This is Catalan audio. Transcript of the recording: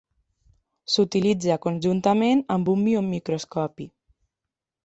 S'utilitza conjuntament amb un biomicroscopi.